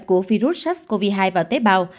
của virus sars cov hai vào tế bào